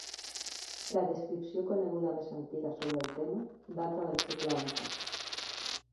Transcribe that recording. La descripció coneguda més antiga sobre el tema data del segle XI.